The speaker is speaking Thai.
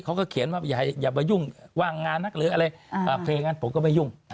เขาก็เขียนว่าให้อย่าไปยุ่งวางงานหรืออะไรให้งั้นผมก็ไม่ยุ่ง